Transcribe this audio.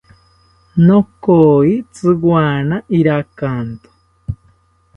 Nokoyi tziwana irakanto